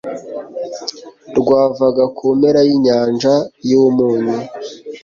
rwavaga ku mpera y'inyanja y'umunyu